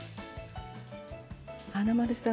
華丸さん